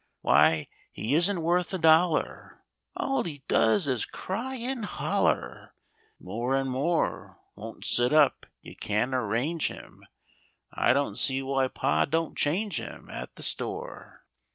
Why, he isn't worth a dollar! All he does is cry and holler More and more; Won't sit up you can't arrange him, I don't see why Pa do'n't change him At the store.